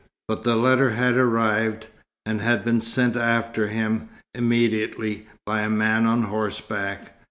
But the letter had arrived, and had been sent after him, immediately, by a man on horseback.